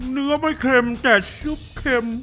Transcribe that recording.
เนื้อไม่เค็มแต่ชุบเค็ม